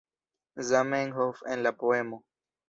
Zamenhof en la poemo.